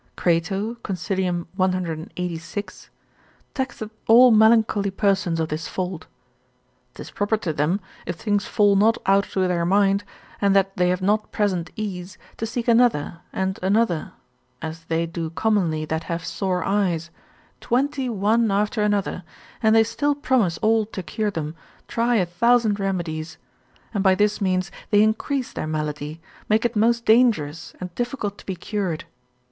Crato consil. 186. taxeth all melancholy persons of this fault: 'Tis proper to them, if things fall not out to their mind, and that they have not present ease, to seek another and another; (as they do commonly that have sore eyes) twenty one after another, and they still promise all to cure them, try a thousand remedies; and by this means they increase their malady, make it most dangerous and difficult to be cured.